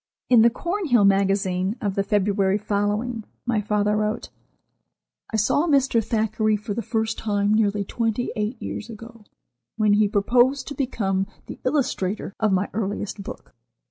In "The Cornhill Magazine" of the February following, my father wrote: "I saw Mr. Thackeray for the first time nearly twenty eight years ago, when he proposed to become the illustrator of my earliest book.